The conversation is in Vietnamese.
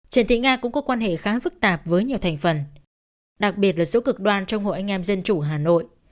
trần thị nga cũng có quan hệ khá phức tạp với nhiều thành phần đặc biệt là số cực đoan trong hội anh em dân chủ hà nội